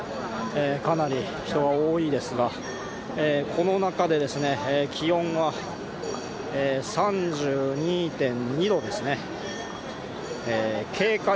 かなり人が多いですがこの中で気温が３２．２度ですね。